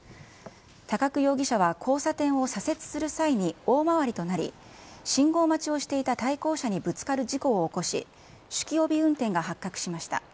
高久容疑者は交差点を左折する際に大回りとなり、信号待ちをしていた対向車にぶつかる事故を起こし、酒気帯び運転が発覚しました。